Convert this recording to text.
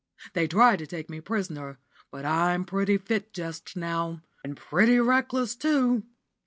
They tried to take me prisoner, but I'm pretty fit just now, and pretty reckless too.